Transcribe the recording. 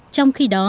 trong khi đó